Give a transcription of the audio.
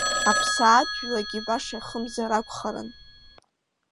Аԥсаатә жәлагьы баша ихымзаракәхарын…